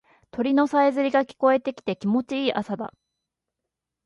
鳥のさえずりが聞こえてきて気持ちいい朝だ。